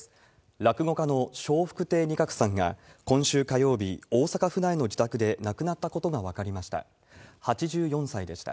落語家の笑福亭仁鶴さんが今週火曜日、大阪府内の自宅で亡くなったことが分かりました。